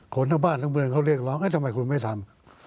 คนทั้งบ้านทั้งเมืองเขาเรียกร้องทำไมคุณไม่ทำ